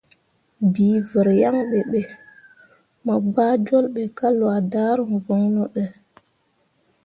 Bii vər yaŋ ɓe be, mo gbah jol ɓe ka lwa daruŋ voŋno də.